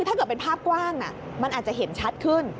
ถ้าเกิดเป็นภาพกว้างมันอาจจะเห็นชัดขึ้น